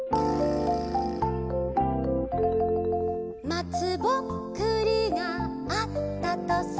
「まつぼっくりがあったとさ」